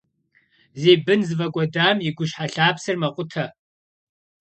Зи бын зыфӀэкӀуэдам и гущхьэлъапсэр мэкъутэ.